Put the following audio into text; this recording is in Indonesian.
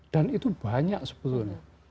dan itu banyak sebetulnya